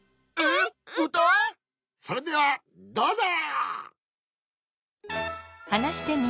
それではどうぞ！